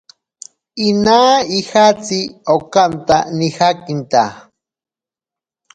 Inaa ojatsi okaata nijakinta.